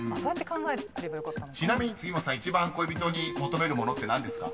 ［ちなみに杉本さん一番恋人に求めるものって何ですか？］